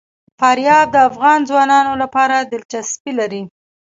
فاریاب د افغان ځوانانو لپاره دلچسپي لري.